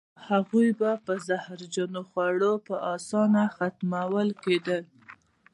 هغوی به په زهرجنو خوړو په اسانه ختمول کېدل.